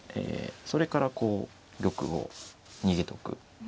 それからこう玉を逃げとく。